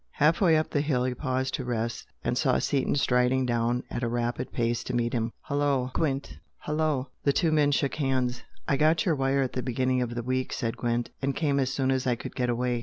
Half way up the hill he paused to rest, and saw Seaton striding down at a rapid pace to meet him. "Hullo, Gwent!" "Hullo!" The two men shook hands. "I got your wire at the beginning of the week" said Gwent "and came as soon as I could get away.